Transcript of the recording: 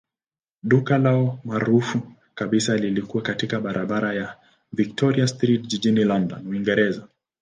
Duka lao maarufu kabisa lilikuwa katika barabara ya Victoria Street jijini London, Uingereza.